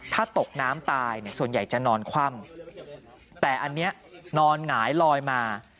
ถ้าตกน้ำตายเนี่ยส่วนใหญ่จะนอนคว่ำแต่อันนี้นอนหงายลอยมา